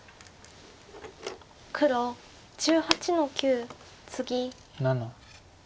黒１８の九ツギ。